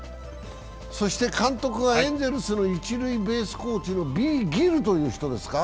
そして監督がエンゼルスの一塁ベースコーチのＢ・ギルという人。